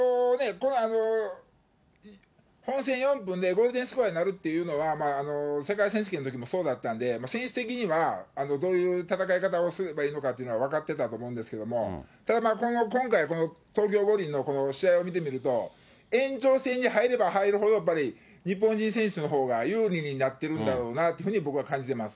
この本戦４分でゴールデンスコアになるというのは、世界選手権のときもそうだったんで、選手的にはどういう戦い方をすればいいのかというのは、分かってたと思うんですけど、ただ、今回この東京五輪の試合を見てみると、延長戦に入れば入るほど、やっぱり日本人選手のほうが有利になってるんだろうなというふうに、僕は感じてます。